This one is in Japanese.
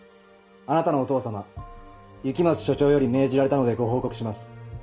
あなたのお父様雪松署長より命じられたのでご報告します。